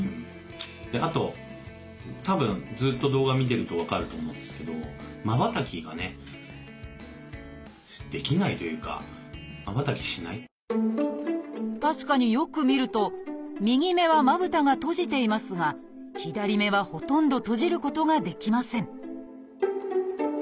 あとたぶんずっと動画見てると分かると思うんですけど確かによく見ると右目はまぶたが閉じていますが左目はほとんど閉じることができません